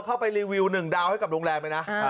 เข้าไปรีวิว๑ดาวให้กับโรงแรมเลยนะ